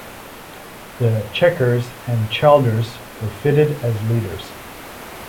The "Chequers" and "Childers" were fitted as Leaders.